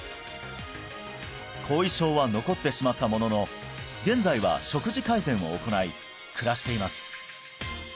後遺症は残ってしまったものの現在は食事改善を行い暮らしています